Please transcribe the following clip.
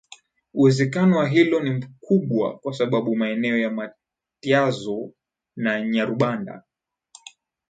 Uwezekano wa hilo ni mkubwa kwa sababu maeneo ya matyazo na nyarubanda